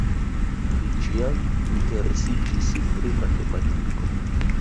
Li ĉiam interesiĝis pri matematiko.